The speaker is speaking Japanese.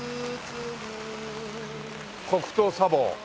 「黒糖茶房」